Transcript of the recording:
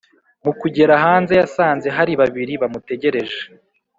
mukugera hanze yasanze hari babiri bamutegereje